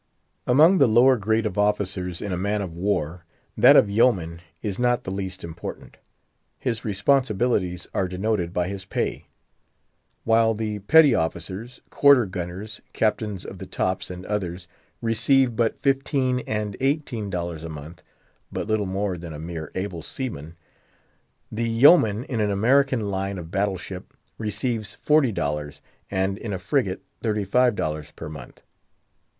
Among the lower grade of officers in a man of war, that of Yeoman is not the least important. His responsibilities are denoted by his pay. While the petty officers, quarter gunners, captains of the tops, and others, receive but fifteen and eighteen dollars a month—but little more than a mere able seamen—the Yeoman in an American line of battle ship receives forty dollars, and in a frigate thirty five dollars per month.